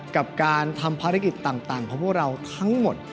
กับการทำภารกิจต่างของพวกเราทั้งหมด